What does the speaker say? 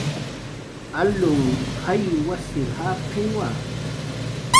Alunh jay wasir jaqiwa